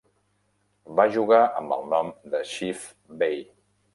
Va jugar amb el nom de Chief Bey.